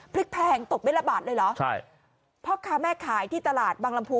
แพงตกเม็ดละบาทเลยเหรอใช่พ่อค้าแม่ขายที่ตลาดบางลำพู